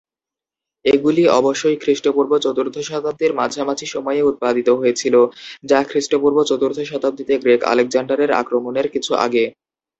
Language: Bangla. এগুলি অবশ্যই খ্রীস্টপূর্ব চতুর্থ শতাব্দীর মাঝামাঝি সময়ে উৎপাদিত হয়েছিল, যা খ্রীস্টপূর্ব চতুর্থ শতাব্দীতে গ্রেট আলেকজান্ডারের আক্রমণের কিছু আগে।